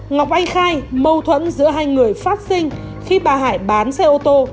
ngọc anh khai mâu thuẫn giữa hai người phát sinh khi bà hải bán xe ô tô